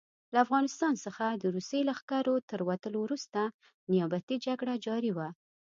له افغانستان څخه د روسي لښکرو تر وتلو وروسته نیابتي جګړه جاري وه.